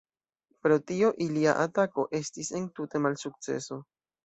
Pro tio, ilia atako estis entute malsukceso.